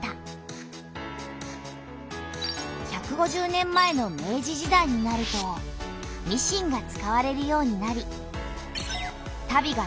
１５０年前の明治時代になるとミシンが使われるようになりたびが大量に生産された。